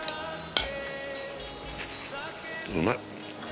うまい。